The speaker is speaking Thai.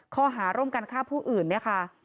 ข้อหาร่วมกันฆ่าผู้อื่นเนี่ยค่ะ